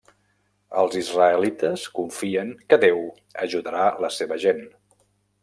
Els israelites confien que Déu ajudarà la seva gent.